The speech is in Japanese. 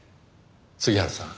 杉原さん。